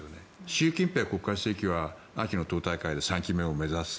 習近平国家主席は秋の党大会で３期目を目指す。